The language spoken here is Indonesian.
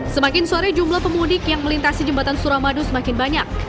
semakin sore jumlah pemudik yang melintasi jembatan suramadu semakin banyak